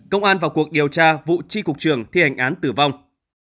công an vào cuộc điều tra vụ tri cục trường thi hành án tử vong